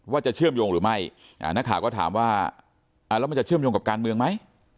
เชื่อมโยงหรือไม่นักข่าวก็ถามว่าแล้วมันจะเชื่อมโยงกับการเมืองไหม